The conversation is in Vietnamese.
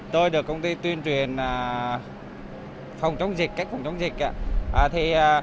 tôi được công ty tuyên truyền phòng chống dịch cách phòng chống dịch